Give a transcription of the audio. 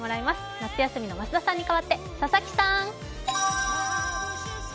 夏休みの増田さんに代わって佐々木さん。